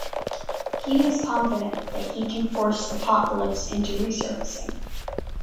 He is confident that he can force Apocalypse into resurfacing.